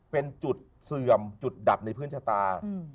เป็นจุดเสื่อมจุดดับในพื้นชะตา